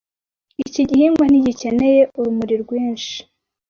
Iki gihingwa ntigikeneye urumuri rwinshi.